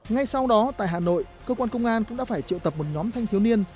ngay sau đó tại hà nội cơ quan công an cũng đã phải triệu tập một nhóm thanh thiếu niên